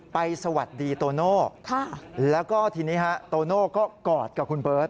สวัสดีโตโน่แล้วก็ทีนี้ฮะโตโน่ก็กอดกับคุณเบิร์ต